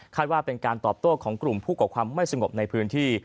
ว่าเป็นการตอบโต้ของกลุ่มผู้ก่อความไม่สงบในพื้นที่